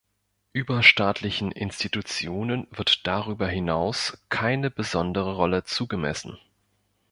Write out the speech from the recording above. Überstaatlichen Institutionen wird darüber hinaus keine besondere Rolle zugemessen.